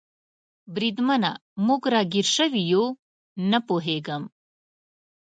بریدمنه، موږ را ګیر شوي یو؟ نه پوهېږم.